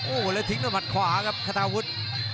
โอ้โหแล้วทิ้งต้นมัดขวาครับคาทาวุด